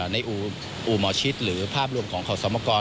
อู่หมอชิตหรือภาพรวมของขอสมกร